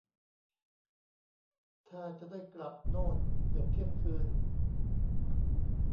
ท่าจะได้กลับโน่นเกือบเที่ยงคืน